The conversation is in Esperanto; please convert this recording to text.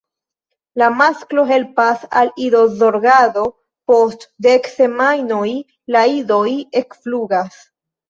La masklo helpas al idozorgado: post dek semajnoj la idoj ekflugas.